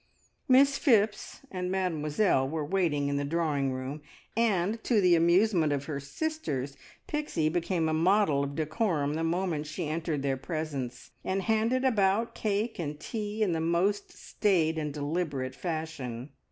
Miss Phipps and Mademoiselle were waiting in the drawing room, and, to the amusement of her sisters, Pixie became a model of decorum the moment she entered their presence, and handed about cake and tea in the most staid and deliberate fashion.